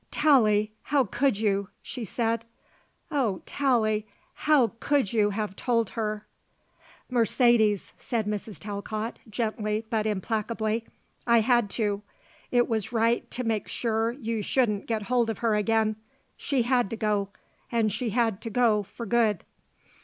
"Tallie how could you?" she said. "Oh, Tallie how could you have told her?" "Mercedes," said Mrs. Talcott, gently but implacably, "I had to. It was right to make sure you shouldn't get hold of her again. She had to go, and she had to go for good.